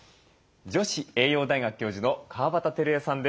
女子栄養大学教授の川端輝江さんです。